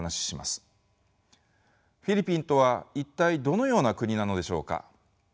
フィリピンとは一体どのような国なのでしょうか？